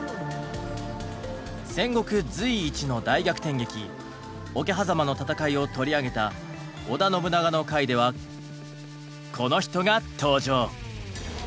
戦国随一の大逆転劇「桶狭間の戦い」を取り上げた織田信長の回ではこの人が登場。